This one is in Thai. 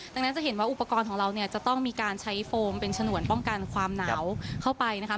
ดังนั้นจะเห็นว่าอุปกรณ์ของเราเนี่ยจะต้องมีการใช้โฟมเป็นฉนวนป้องกันความหนาวเข้าไปนะคะ